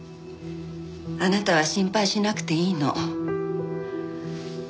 あなたは心配しなくていいの。